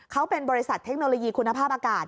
เขาเป็นบริษัทเทคโนโลยีคุณภาพอากาศ